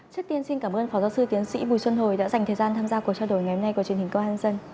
trước tiên xin cảm ơn phó giáo sư tiến sĩ bùi xuân hồi đã dành thời gian tham gia cuộc trao đổi ngày hôm nay của truyền hình công an nhân dân